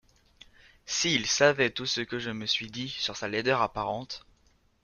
S’il savait tout ce que je me suis dit sur sa laideur apparente!